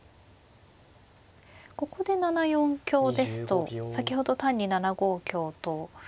ここで７四香ですと先ほど単に７五香と。